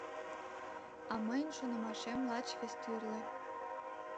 А мыйын шонымашем лач вес тӱрлӧ.